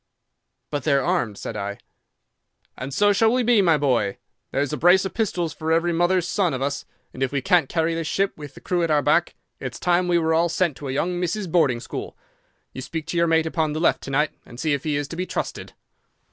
"'"But they are armed," said I. "'"And so shall we be, my boy. There's a brace of pistols for every mother's son of us, and if we can't carry this ship, with the crew at our back, it's time we were all sent to a young misses' boarding school. You speak to your mate upon the left to night, and see if he is to be trusted."